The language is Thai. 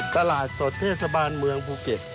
ตลาดสดเทศบาลเมืองภูเก็ต